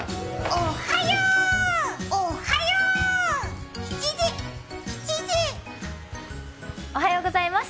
おはようございます。